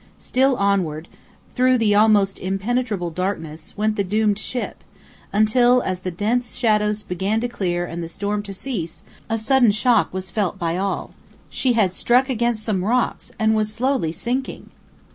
Still onward, through the almost impenetrable darkness, went the doomed ship, until, as the dense shadows began to clear and the storm to cease, a sudden shock was felt by all she had struck against some rocks and was slowly sinking!